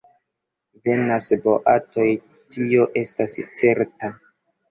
Venas boatoj, tio estas certa.